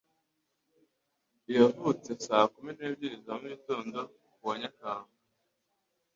Yavutse saa kumi n'ebyiri za mugitondo ku ya Nyakanga.